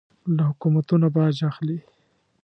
له حکومتونو باج اخلي.